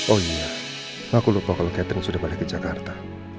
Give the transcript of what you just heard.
oh iya aku lupa kalau catering sudah balik ke jakarta